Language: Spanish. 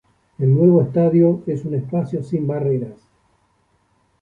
El nuevo estadio es un espacio sin barreras.